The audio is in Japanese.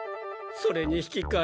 それに引きかえ